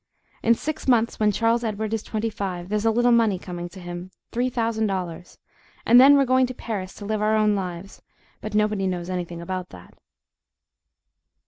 In six months, when Charles Edward is twenty five, there's a little money coming to him three thousand dollars and then we're going to Paris to live our own lives; but nobody knows anything about that.